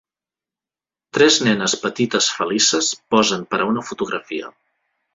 Tres nenes petites felices posen per a una fotografia.